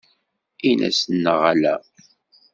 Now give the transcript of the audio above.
Ines neɣ ala?